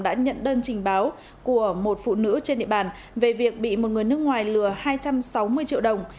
đã nhận đơn trình báo của một phụ nữ trên địa bàn về việc bị một người nước ngoài lừa hai trăm sáu mươi triệu đồng